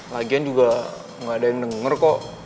lagian juga nggak ada yang denger kok